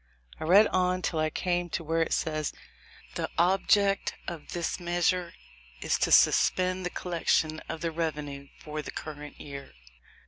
I read on till I came to where it says, "The object of this measure is to suspend the collection of the revenue for the current year."